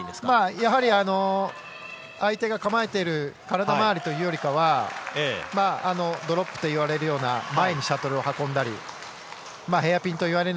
やはり相手が構えている体周りというよりかはドロップといわれるような前にシャトルを運んだりヘアピンといわれる